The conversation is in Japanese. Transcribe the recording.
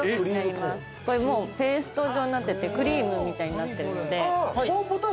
ペースト状になっててクリームみたいになってるんで。